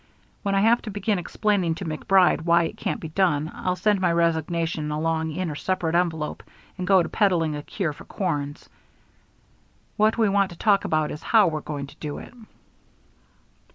When I have to begin explaining to MacBride why it can't be done, I'll send my resignation along in a separate envelope and go to peddling a cure for corns. What we want to talk about is how we're going to do it."